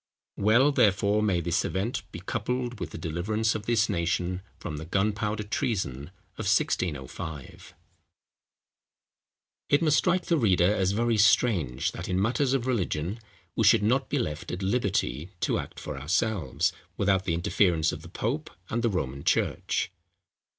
Well, therefore, may this event be coupled with the deliverance of this nation from the Gunpowder Treason of 1605. It must strike the reader as very strange, that in matters of religion, we should not be left at liberty to act for ourselves, without the interference of the pope and the Roman church.